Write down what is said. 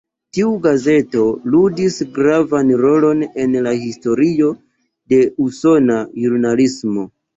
Tiu gazeto ludis gravan rolon en la historio de usona ĵurnalismo.